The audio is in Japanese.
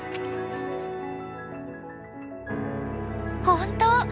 本当！